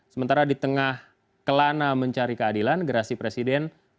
sementara di tengah kelana mencari keadilan gerasi presiden